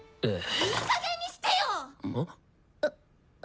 いいかげんにしてよ！